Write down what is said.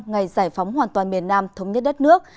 ngày giải phóng hoàn toàn miền nam thống nhất đất nước